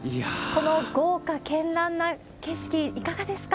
この豪華けんらんな景色、いかがですか？